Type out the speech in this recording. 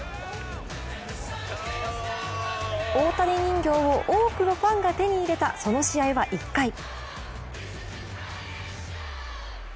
大谷人形を多くのファンが手に入れたその試合は１回。